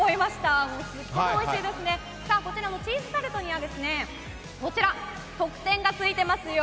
こちらのチーズタルトには特典がついてますよ。